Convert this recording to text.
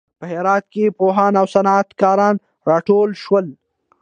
په هرات کې پوهان او صنعت کاران راټول شول.